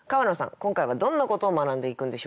今回はどんなことを学んでいくんでしょうか。